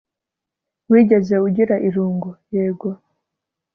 wigeze ugira irungu?yego